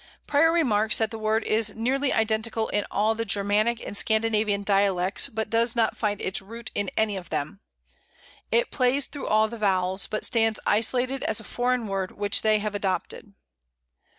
Prior remarks that the word is "nearly identical in all the Germanic and Scandinavian dialects, but does not find its root in any of them. It plays through all the vowels ... but stands isolated as a foreign word which they have adopted."